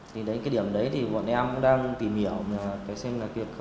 thì cái điểm đấy thì bọn em cũng đang tìm hiểu